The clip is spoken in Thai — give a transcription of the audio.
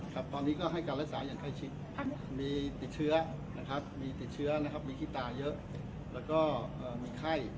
ตอนนี้ก็ให้การรับสาอย่างไข้ชิดมีติดเชื้อมีคิดตาเยอะและมีไข้